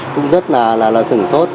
cũng rất là sửng sốt